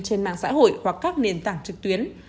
trên mạng xã hội hoặc các nền tảng trực tuyến